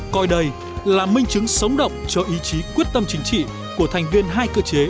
coi đây là minh chứng sống động cho ý chí quyết tâm chính trị của thành viên hai cơ chế